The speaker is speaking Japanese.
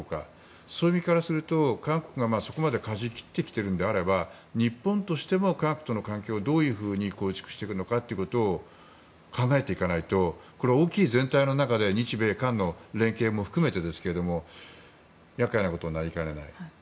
そういう意味からするとそこまでかじを切ってきているのであれば日本としても韓国との関係をどういうふうに構築していくのかを考えていかないとこれは、大きい全体の中で日米韓の連携も含めてですけど厄介なことになりかねない。